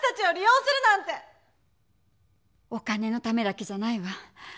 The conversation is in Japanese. お金のためだけじゃないわ。